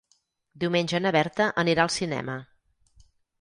Diumenge na Berta anirà al cinema.